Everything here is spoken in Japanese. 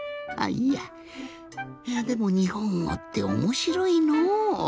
いやでもにほんごっておもしろいの。